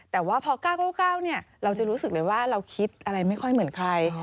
แต่ว่าพอ๙๙๙เราจะรู้สึกเลยว่าเราคิดอะไรไม่ค่อยเหมือนใคร